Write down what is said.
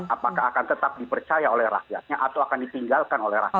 apakah akan tetap dipercaya oleh rakyatnya atau akan ditinggalkan oleh rakyat